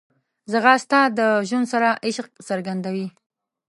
ځغاسته د ژوند سره عشق څرګندوي